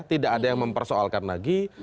tidak ada yang mempersoalkan lagi